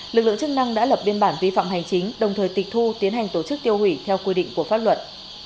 lực lượng chức năng đã lập biên bản vi phạm hành chính đồng thời tịch thu tiến hành tổ chức tiêu hủy theo quy định của pháp luật